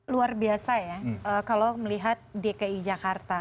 luar biasa ya kalau melihat dki jakarta